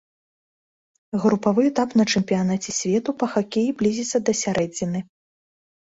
Групавы этап на чэмпіянаце свету па хакеі блізіцца да сярэдзіны.